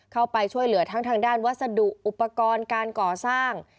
เข้าไปช่วยเหลือทั้งทางด้านวัสดุอุปกรณ์การก่อสร้าง